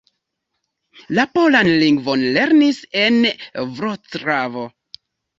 La polan lingvon lernis en Vroclavo.